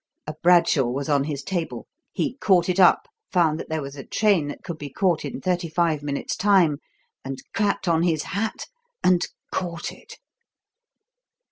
A Bradshaw was on his table. He caught it up, found that there was a train that could be caught in thirty five minutes' time, and clapped on his hat and caught it.